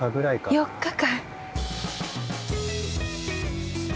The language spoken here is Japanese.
４日間？